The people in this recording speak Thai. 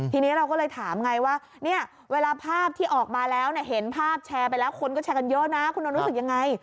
ทีนี้เราก็เลยถามไงว่าเนี่ยเวลาภาพที่ออกมาแล้วเนี่ยเห็นภาพแชร์ไปแล้วคนก็แชร์กันเยอะนะคุณนนท์รู้สึกยังไง